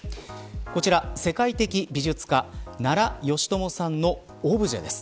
こちら、世界的美術家奈良美智さんのオブジェです。